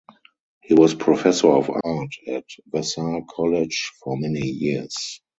He was professor of art at Vassar College for many years.